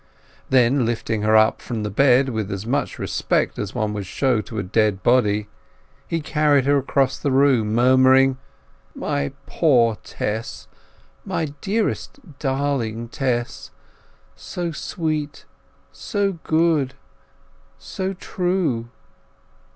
Then lifting her from the bed with as much respect as one would show to a dead body, he carried her across the room, murmuring— "My poor, poor Tess—my dearest, darling Tess! So sweet, so good, so true!"